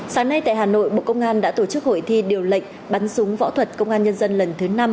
sáng nay tại hà nội bộ công an đã tổ chức hội thi điều lệnh bắn súng võ thuật công an nhân dân lần thứ năm